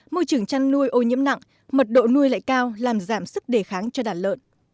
môi trường chăn nuôi ô nhiễm nặng mật độ nuôi lại cao làm giảm sức đề kháng cho đàn lợn